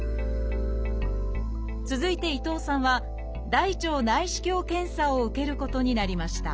続いて伊藤さんは「大腸内視鏡検査」を受けることになりました